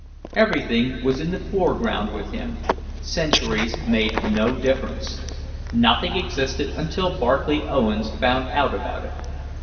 Everything was in the foreground with him; centuries made no difference. Nothing existed until Barclay Owens found out about it.